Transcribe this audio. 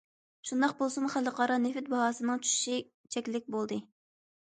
شۇنداق بولسىمۇ، خەلقئارا نېفىت باھاسىنىڭ چۈشىشى چەكلىك بولدى.